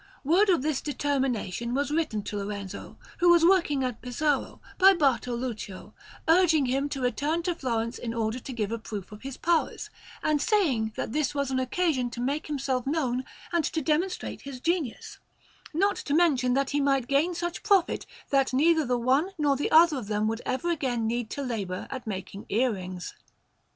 Word of this determination was written to Lorenzo, who was working at Pesaro, by Bartoluccio, urging him to return to Florence in order to give a proof of his powers, and saying that this was an occasion to make himself known and to demonstrate his genius, not to mention that he might gain such profit that neither the one nor the other of them would ever again need to labour at making ear rings.